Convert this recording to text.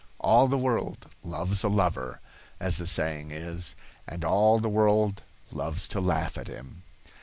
"All the world loves a lover," as the saying is, and all the world loves to laugh at him.